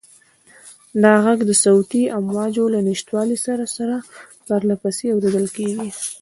دا غږ د صوتي امواجو له نشتوالي سره سره پرله پسې اورېدل کېږي.